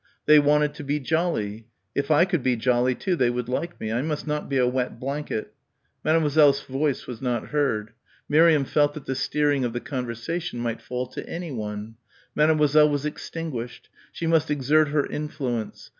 They wanted to be jolly.... If I could be jolly too they would like me. I must not be a wet blanket.... Mademoiselle's voice was not heard. Miriam felt that the steering of the conversation might fall to anyone. Mademoiselle was extinguished. She must exert her influence.